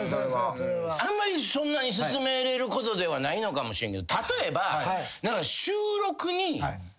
あんまりそんなに勧めれることではないのかもしれんけど例えば。